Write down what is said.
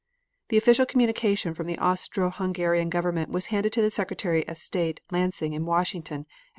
The official communication from the Austro Hungarian Government was handed to Secretary of State Lansing in Washington at 6.